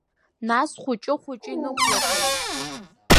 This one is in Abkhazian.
Нас хәыҷы-хәыҷы инықәлашоит.